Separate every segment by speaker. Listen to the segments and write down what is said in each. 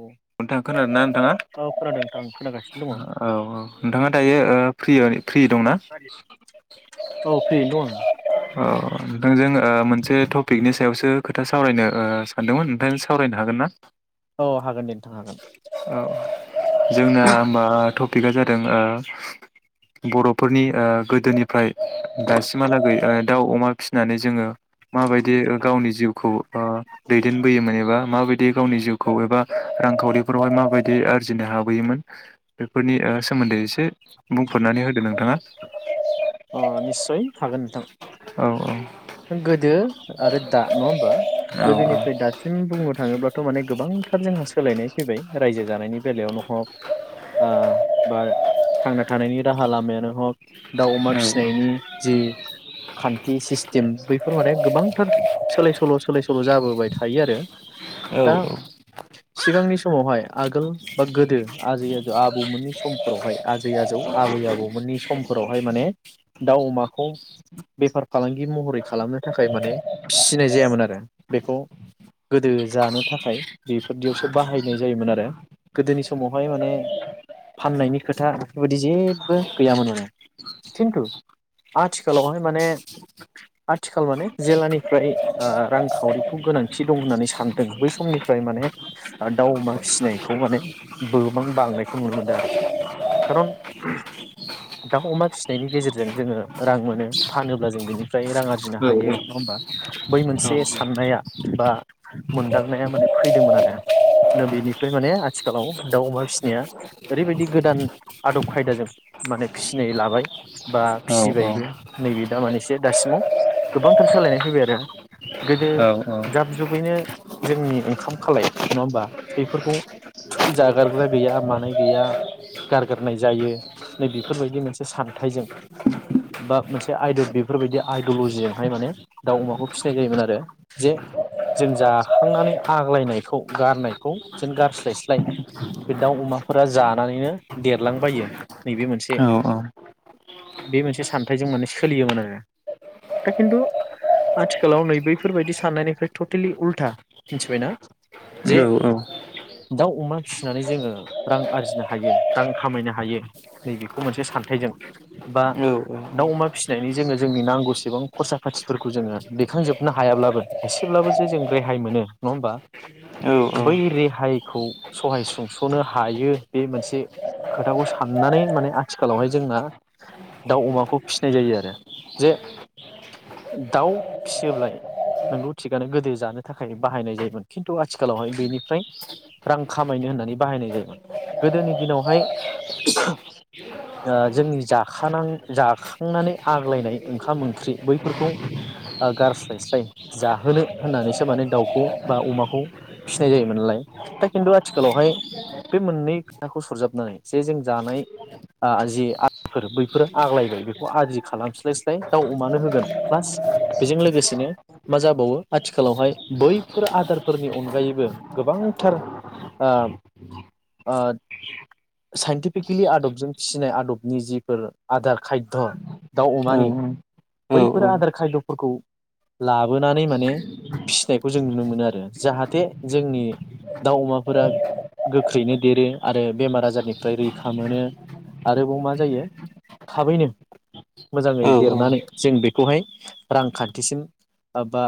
Speaker 1: औ
Speaker 2: नोंथां खोनादों ना नोंथाङा?
Speaker 1: औ खोनादों नोंथां खोनागासिनो दङ
Speaker 2: औ औ नोंथांङा दायो ओ फ्रिया-फ्रि दंना
Speaker 1: औ फ्रियैनो दं
Speaker 2: औ नोंथांजों मोनसे टपिकनि सायावसो खोथा सावरायनो ओ सानदोंमोन नोंथांजों सावरायनो हागोन ना?
Speaker 1: आं औ हागोन दे नोंथां हागोन
Speaker 2: औ जोंना मा थ पिकआ जादों बर'फोरनि ओ गोदोनिफ्राय दासिमा लागै ओ दाव अमा फिसिनानै जोंङो माबायदि ओ गावनि जिवखौ ओ दैदेनबोयोमोन एबा माबा दि गावनि जिवखौ एबा रांखावरिफोरावहाय माबायदि आरजिनो हाबोयोमोन बेफोरनि ओ सोमोन्दै एसे बुंफोरनानै होदो नोंथांङा
Speaker 1: अ निस्सय हागोन नोंथां,
Speaker 2: औ
Speaker 1: गोदो आरो दा नंङा होमबा
Speaker 2: औ
Speaker 1: गोदोनिफ्राय दासिम बुंनो थांङोब्लाथ माने गोबांथार जोंहा सोलायनाय फैबाय रायजो जानायनि बेलायावनो हग ओ बार थांना थानायनि राहा लामायानो हग दाव
Speaker 2: औ औ
Speaker 1: फिसिनायनि जि खान्थि सिस्टिम बैफोर माने गोबांथार सोलाय सोल सोलाय सोल जाबोबाय थायो आरो ।
Speaker 2: औ औ
Speaker 1: सिगांनि समावहाय आगोल बा गोदो आजै आजौ आबौमोननि समफोरावहाय आजै आजौ आबै आबौमोननि समफोरावहाय माने दाव, अमाखौ बेफार फालांगि महरै खालामनो थाखाय माने फिसिनाय जायामोन आरो बेखौ गोदो जानो थाखाय बेफोरदियावसो बाहायनाय जायोमोन आरो गोदोनि समावहाय माने फाननायनि खोथा बेफोरबायदि जेबो गैयामोन माने खिन्थु आथिखालावहाय माने आथिखाल माने जेलानिफ्राय ओ रांखावरिखौ गोनांथि दं होननानै सानदों बै समनिफ्राय माने दाव, अमा फिसिनायखौ माने बोबां बांनायखौ नुनो मोनदों आरोखि, खारन दाव अमा फि नायनि गेजेरजों जोंङो रां मोनो फानोब्ला जों बेनिफ्राय रां आरजिनो हायो, नंङा होमबा? बै मोनसे साननाया बा मोनदांनाया माने फैदोंमोन आरो दा बेनिफ्राय माने आथिखालाव दाव, अमा फिसिनाया ओरैबायदि गोदान आदब खायदाजों माने फिसिनाय लाबाय बा
Speaker 2: औ
Speaker 1: फिसिबायबो नैबे दामान एसे दासिमाव गोबांथार सोलायनाय फैबाय आरो गोदो
Speaker 2: औ औ
Speaker 1: जाब जुबैनो जोंनि ओंखाम खालाय नंङा होमबा? बेफोरखौ जागारग्रा गैया मानाय गैया गारगारनाय जायो नै बेफोरबायदि मोनसे सान थाइजों बा मोनसे आइद बेफोरबायदि आइदल जिजोंहाय माने दाव अमाखौ फिसिनाय जायोमोन आरो जे जों जाखांनानै आग्लायनायखौ गारनायखौ जेन गारस्लायस्लाय बे दाव, अमाफोरा जानानैनो देरलांबायो नैबे मोनसे बे मोनसे सान्थाइजों माने सोलियोमोन, आरो दा खिन्थु आथिखालाव नै बैफोरबायदि साननायनिफ्राय टटेलि उल्था मिथिबायना जे दाव, अमा फिसिनानै जोंङो रां आरजिनो हायो रां खामायनो हायो नैबेखौ मोनसे सान्थाइजों बा
Speaker 2: औ
Speaker 1: दाउ अमा फिसिनायनि जोंङो जोंनि नांगौसेबां खरसा फाथिफोरखौ जोंङो दैखांजोबनो हायाब्लाबो एसेब्लाबो जे जों रेहाय मोनो नंङा होमबा? बै रेहायखौ सहाय सुंसनो हायो बे मोनसे खोथाखौ साननानै माने आथिखालावहाय जोंना दाव, अमाखौ फिसिनाय जायो आरो जे दाव फिसियोब्लाय नोंगौ थिगानो गोदो जानो थाखाय बाहायनाय जायोमोन खिन्थु आथिखालावहाय बेनिफ्राय रां खामायनो होननानै बाहायनाय जायोमोन गोदोनि दिनावहाय ओ जोंनि जाखानां जाखांनानै आग्लायनाय ओंखाम ओंख्रि बैफोरखौ ओ गारस्लायस्लाय जाहोनो होननानैसो माने दाव खौ बा अमाखौ फिसिनाय जायोमोन नालाय दा खिन्थु आथिखालावहाय बे मोननै फिथाखौ सरजाबनानै जे जों जानाय ओ जि फोर बैफोर आग्लायबाय बेखौ आदि खालामस्लायस्लाय दाउव अमानो होगोन प्लास बेजों लोगोसेनो मा जाबावो आथिखालावहाय बैफोर आदारफोरनि अनगायैबो गोबांथार ओ ओ साइन्टिफिकेलि आदबजों फिसिनाय आदब नि जिफोर आदार खायध दाव अमानि बैफोर आदार खायदफोरखौ लाबोनानै माने फिसिनायखौ जों नुनो मोनो आरो जाहाथे जोंनि दाव अमाफोरा गोख्रैनो देरो आरो बेमार आजारनिफ्राय रैखा मोनो आरोबाव मा जायो थाबैनो मोजांङै देरनानै जों बेखौहाय रांखान्थिसिम बा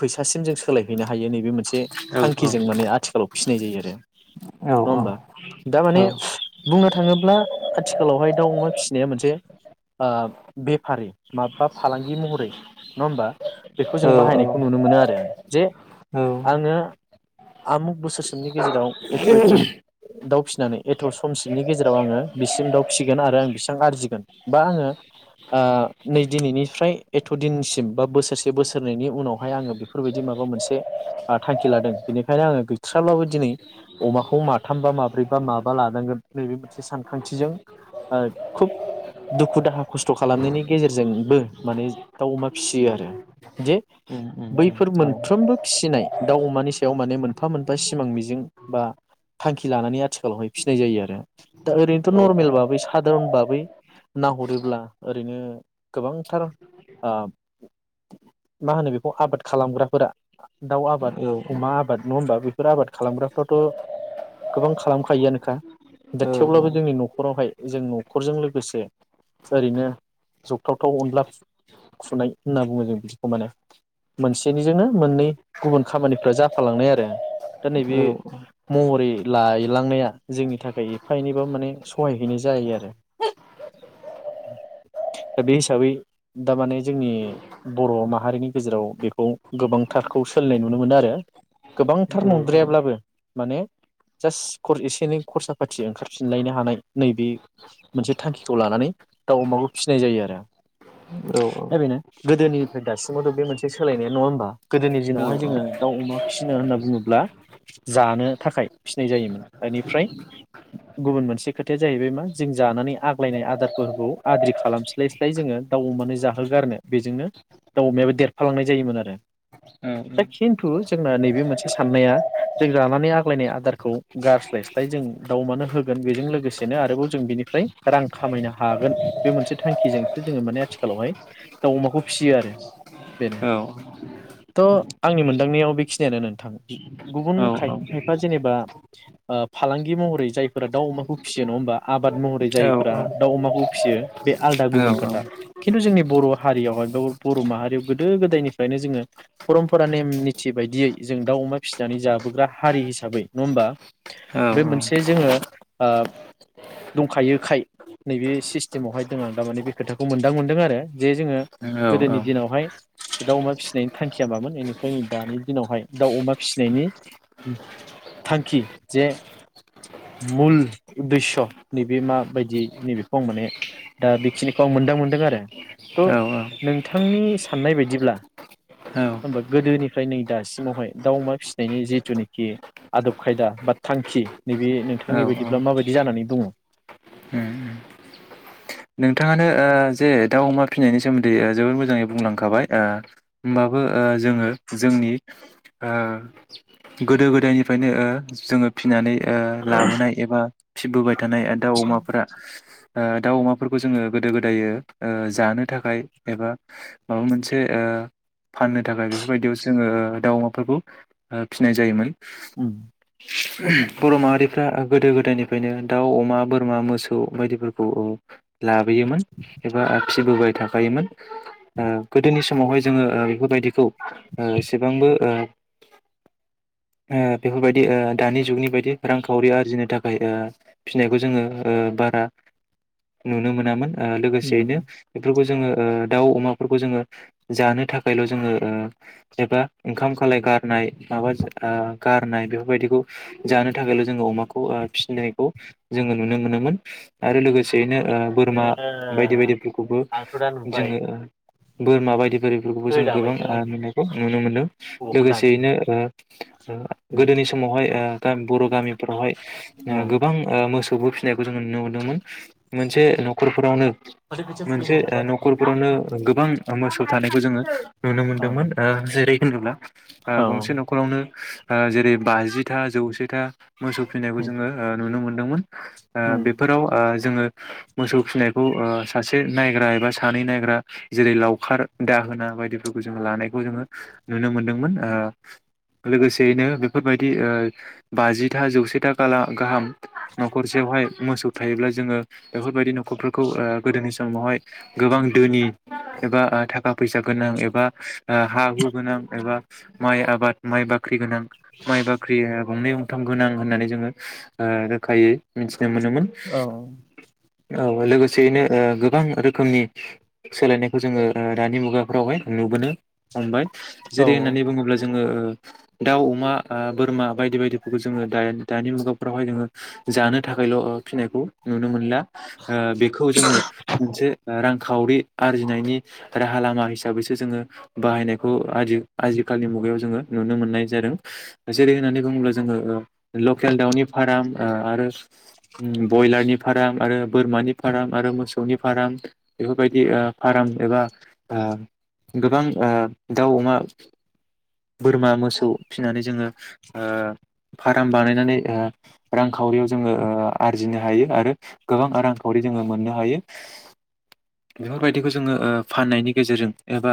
Speaker 1: फैसासिम जों सोलायहैनो हायो नैबे मोनसे बे थांखिजों माने आथिखालाव फिनाय जायो आरो नंङा होमबा दा माने बुंनो थांङोब्ला आथिखालाव हाय दाव अमा फिसिनाया मोनसे ओ बेफारि माबा फालांगि महरै नंङा होमबा? बेखौ जों बाहायनायखौ नुनो मोनो आरो जे आंङो आमुख बोसोरसिमनि गेजेराव एथ' एथ' दाव फिसिनानै एथ' समसिमनि गेजेराव आंङो बिसिम दाव फिसि गोन आरो आं बेसिबां आरजिगोन बा आंङो ओ नै दिनैनिफ्राय एथ' दिनसिम बा बोसोरसे बोसोरनैनि उनावहाय आंङो बेफोरबायदि माबा मोनसे थांखि लादों बेनिखायनो आंङो गैथ्राब्लाबो दिनै अमाखौ माथाम बा माब्रै बा माबा लानांगोन नैबे मोनसे सानखांथिजों ओ खुब दुखु दाहा खस्थ' खालामनायनि गेजेरजोंबो माने दाव, अमा फिसियो आरो जे
Speaker 2: औ
Speaker 1: बैफोर मोनफ्रोमबो फिसिनाय दाव, अमानि सायाव माने मोनफा मोनफा सिमां मिजिं बा थांखि लानानै आथिखालावहाय फिसिनाय जायो आरो दा ओरैनोथ' नर्मेलबा बैस सादारन बाबै नाहरोब्ला ओरैनो गोबांथार ओ मा होनो बेखौ आबाद खालामग्राफोरा दाउ आबाद अमा आबाद नङा होमबा बेफोर आबाद खालामग्राफ्राथ' गोबां खालामखायोआनोखा दा थेवब्लाबो जोंनि न'खरावहाय जों न'खरजों लोगोसे ओरैनो जगथावथाव अनला फुनाय होनना बुङो जों बिदिखौ माने मोनसेनिजोंनो मोननै गुबुन खामानिफ्रा जाफालांनाय आरो दा नैबे महरै लायलांनाया जोंनि थाखाय एफा एनैबा माने सहाय बेनो जायो आरो दा बे हिसाबै दामाने जोंनि बर' माहारिनि गेजेराव बेखौ गोबांथारखौ सोलिनाय नुनो मोनो आरो गोबांथार नंद्रायाब्लाबो माने जास्ट खर एसे एनै खरसा फाथि ओंखारफिनलायनो हानाय नैबे मोनसे थांखिखौ लानानै दाउ अमाखौ फिनाय जायो आरो
Speaker 2: औ औ
Speaker 1: दा बेनो गोदोनिफ्राय दासिमावथ' बे मोनसे सोलायनाया नङा होमबा गोदोनि दिनावहाय जोङो दाउ अमा फिसिनो होनना बुङोब्ला जानो थाखाय फिसिनाय जायोमोन दनिफ्राय गुबुन मोनसे खोथाया जाहैबाय मा जों जानानै आग्लायनाय आदारफोरखौ आद्रि खालामस्लायस्लाय जोङो दाउ अमानो जाहोगारनो बेजोंनो दाउ अमायाबो देरफालांनाय जायोमोन आरो दा खिन्थु जोंना नैबे मोनसे साननाया जों जानानै आग्लायनाय आदारखौ गारस्लायस्लाय जों दाउ अमानो होगोन बेजों लोगोसे सेनो आरोबाव जों बिनिफ्राय रां खामायनो हागोन बे मोनसे थांखिजोंसो जोङो माने आथिखालावहाय दाउ अमाखौ फिसियो आरो बेनो थ' आंनि मोनदांनायाव बेखिनियानो नोंथां गुबुन खायफा खायफा जेनेबा ओ फालांगि महरै जायफोरा दाउ अमाखौ फिसियो नङा होमबा आबाद महरै जायफोरा दाउ अमाखौ फिसियो बे आलदा गुबुन खोथा खिन्थु जोंनि बर' हारियावहाय बर' माहारियाव गोदो गोदायनिफ्रायनो जोङो परमपरा नेम निथि बायदियै जों दाउ अमा फिसिनानै जाबोग्रा हारि हिसाबै नङा होमबा बे मोनसे जोङो ओ दंखायोखाय नैबे सिस्टेमावहाय दों आं थारमाने बे खोथाखौ मोनदां मोनदों आरो जे जोङो गोदोनि दिनावहाय दाउ अमा फिसिनायनि थांखिया मामोन बेनिफ्राय दानि दिनावहाय दाउ अमा फिसिनायनि थांखि जे मुल उदस्य' नैबे माबायदि नैबेखौ आं माने दा बेखिनिखौ आं मोन्दां मोनदों आरो थ' नोंथांनि साननाय बायदिब्ला होमबा गोदोनिफ्राय नै दासिमावहाय दाउ अमा फिसिनायनि जिथुनोखि आदब खायदा बा थांखि नैबे नोंथांनि बायदि दा
Speaker 2: औ
Speaker 1: माबायदि जानानै दङ
Speaker 2: औ नोंथाङानो ओ जे दाउ अमा फिनायनि सोमोन्दै ओ जोबोर मोजाङै बुंलांखाबाय ओ होमबाबो ओ जोङो जोंनि ओ गोदो गोदायनिफ्रायनो ओ जोङो फिनानै ओ लाबोनाय एबा फिबोबाय थानाय दाउ अमाफोरा ओ दाउ अमा बेफोरखौ जोङो गोदो गोदायो ओ जानो थाखाय एबा माबा मोनसे ओ फाननो थाखाय बेफोरबायदियाव जोङो दाउ अमाफोरखौ ओ फिनाय जायोमोन
Speaker 1: उं
Speaker 2: बर' माहारिफ्रा गोदो गोदायनिफ्रायनो दाउ अमा बोरमा मोसौ बायदिफोरखौ लाबोयोमोन एबा फिबोबाय थाखायोमोन ओ गोदोनि समावहाय जोङो ओ बेफोरबायदिखौ ओ एसेबांबो ओ ओ बेफोरबायदि ओ दानि जुगनि बायदि रांखावरि आरजिनो थाखाय ओ फिनायखौ जोङो ओ बारा नुनो मोनामोन ओ लोगोसेयैनो बेफोरखौ जोङो ओ दाउ अमाफोरखौ जोङो जानो थाखायल' जोङो ओ एबा ओंखाम खालाय गारनाय माबा ओ गारनाय बेफोरबायदिखौ जानो थाखायल' जोङो अमाखौ ओ फिसिनायखौ जोङो नुनो मोनोमोन आरो लोगोसे बेनो ओ बोरमा बायदि बायदिफोरखौबो
Speaker 1: आंथ' दा नुबाय
Speaker 2: जोङो बोरमा बायदि बोरैफोरखौबो जों गोबां
Speaker 1: होजाबायनो
Speaker 2: ओ
Speaker 1: आंजों
Speaker 2: नायखौ नुनो मोनो
Speaker 1: बबावखौ दानो
Speaker 2: लोगोसेयैनो ओ गोदोनि समावहाय ओ बर' गामिफ्रावहाय
Speaker 1: औ
Speaker 2: ओ गोबां ओ मोसौ दुबुर फिननायखौ जोंङो नुनो मोनदोंमोन मोनसे न'खरफोरावनो
Speaker 1: माथो खोथिया फुहैनो
Speaker 2: मोनसे न'खरफोरावनो गोबां मोसौ थानायखौ जोङो नुनो मोनदोंमोन
Speaker 1: नंबाङानो
Speaker 2: ओ जेरै होनोब्ला ओ
Speaker 1: औ
Speaker 2: गंसे न'खरावनो ओ जेरै बाजिथा जौसेथा मोसौ फिनायखौ
Speaker 1: उम,
Speaker 2: जोङो ओ नुनो मोनदोंमोन ओ
Speaker 1: उम,
Speaker 2: बेफोराव ओ जोङो मोसौ फिसिनायखौ ओ सासे नायग्रा एबा सानै नायग्रा जेरै लावखार दाहोना बायदिफोरखौ जोङो लानायखौ जोङो नुनो मोनदोंमोन ओ लोगोसेयैनो बेफोरबायदि ओ बाजिथा जौसेथाला गाहाम नखरसे हाय मोसौ थायोब्ला जोङो बेफोरबायदि न फोरखौ आ गोदोनि समावहाय गोबां दोनि एबा आ थाखा फैसा गोनां एबा हा हु गोनां एबा माइ आबाद माइ बाख्रि बिबोनां माइ बाख्रि ओ गंनै गंथाम गोनां होननानै जोङो आ रोखायै नमोन।
Speaker 1: औ
Speaker 2: लोगोसेयैनो गोबां आ रोखोमनि सोलायनायखौ जोङो आ दानि मुगाफ्रावहाय नुुबोनो। हमबाय जेरै
Speaker 1: औ
Speaker 2: होननानै बुङोब्ला जों। जङो दाउ अमा बोरमा बायदि बायदिफोरखौ जोङो द दानि मुगाफ्रावहाय जोङो जानो थाखायल' फिसिनायखौ नुनो मोनला अ बेखौ जोङो मोनसे रां खावरि आरजिनायनि राहा लामा हिसाबैसो सोङो, बाहायनायखौ आजि आजिखाालनि मुगायाव जोङो नुनो मोननाय जादों। जेरै होननानै बुङोब्ला जोङो लकेल दाउनि फाराम। आरो ब्यलारनि फाराम आरो बोरमानि फाराम, आरो मोसौनि फाराम बेफोरबायदि फाराम एबा गोबां दाउ अमा बोरमा मोसौ फिसिनानै जोङो आ फाराम बानायनानै रांखावरियाव जोङो आ आरजिनो हायो। आरो गोबां रांखावरि जोङो मोननो हायो । बेफोरबायदिखौ जोङो ओ फाननायनि गेजेरजों, एबा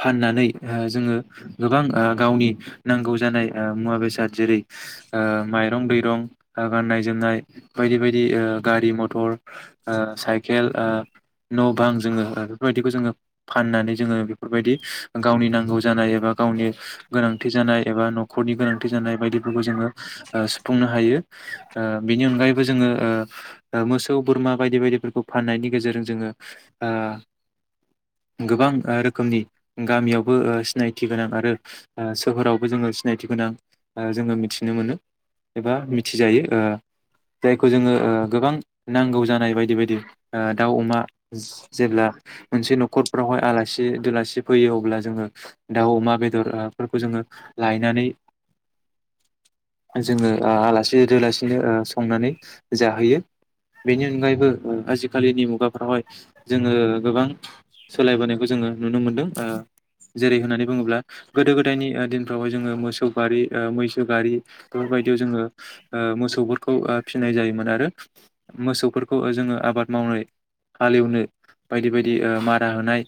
Speaker 2: फाननानै जोङो गोबां गावनि नांगौ जानाय मुवा बेसाद जेरै, माइरं दैरं गाननाय जोमनाय बायदि बायदि गारि मथर, आ साइकेल आ, न' बां जोङो बेफोरबायदिखौ जोङो फाननानै जोङो, बेफोरबायदि गावनि नांगौ जानाय एबा गावनि गोनांथि जानाय एबा न'खरनि गोनांथि जानाय बायदिफोरखौ जोङो आ सुफुंनो हायो। आ बेनि अनगायैबो जोङो आ मोसौ बोरमा बायदि बायदिफोरखौ फाननायनि गेजेरजों जोङो। गोबां आ रोखोमनि गामियावबो सिनायथि गोनां आरो, आ सोहोरावबो जोङो सिनायथि गोनां आ जोङो मिथिनो मोनो एबा मिथिजायो जायखौ। जोङो आ गोबां नांगौ जानाय बायदि बायदि, आ दाउ अमा जेब्ला मोनसे न'खरफ्रावहाय आलासि दलासि फैयो अब्ला जोङो दाउ अमा आ बेदरफोरखौ जोङो लायनानै, जोङो आलासि दोलासिनो संनानै जाहोयो। बेनि अनगायैबो आजिखालिनि मुगा रावहाय जोङो गोबां सोलायबोनायखौ जोङो नुनो मोनदों, आ जेरै होननानै बुङोब्ला गोदो गोदायनि दिनफ्रावहाय जोङो मोसौ गारि आ मैसो गारि बेफोरबायदियाव जोङो मोसौफोरखौ आ फिसिनाय जायोमोन। आरो मोसौफोरखौ जोङो आबाद मावनो हालेवनो बायदि बायदि आ मारा होनाय,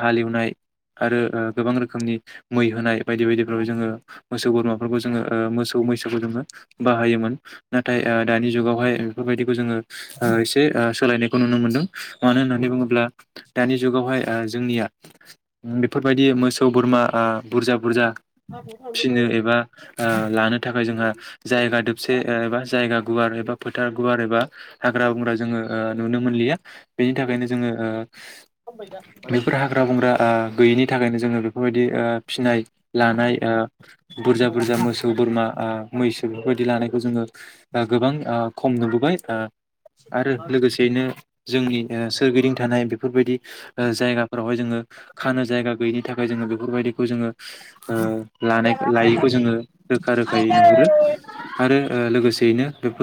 Speaker 2: हालेवनाय आरो गोबां रोखोमनि मै होनाय बायदि बायदिफ्राव जोङो मोसौ बोरमाफोरखौ जोङो आ मोसौ मैसोखौ जोङो बाहायोमोन। नाथाय आ दानि जुगावहाय बेफोरबायदिखौ जोङो आ एसे आ सोलायनायखौ नुनो मोन्दों। मानो होननानै बुङोब्ला? दानि जुगावहाय आ जोंनिया बेफोरबायदि मोसौ बोरमा आ बुरजा बुरजा फिनो एबा आ
Speaker 1: औ
Speaker 2: लानो थाखाय जोंहा जायगा दोबसे एबा जायगा गुवार एबा फोथ गुवार एबा हाग्रा बंग्रा जोङो ननो मोनलिया। बेनि थाखायनो जोङो आ बेफोर हाग्रा बंग्रा आ गैयिनि थाखायनो जोङो बेफोरबायदि आ, फिनाय लानाय आ बुरजा बुरजा मोसौ बोरमा आ मैसो बेफोरबायदि लानायखौ जोङो आ गोबां आ खम नुबोबाय, आ आरो लोगोसेनो जों जोंनि ओ सोरगिदिं थानाय बेफोरबायदि आ जायगाफोरावहाय जोङो खानो जायगा गैयिनि थाखाय। खाय जोङो बेफोरबायदिखौ जोङो ओ लानाय-लायैखौ जोङो रोखा रोखायै नुहुरो आरो ओ लोगोसेयैनो बेफोर